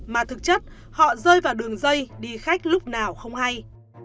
mà thực chất họ rơi vào đường dây đi khách lúc nào không hay